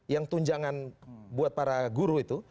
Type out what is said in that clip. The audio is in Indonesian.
yang tunjangan buat para guru itu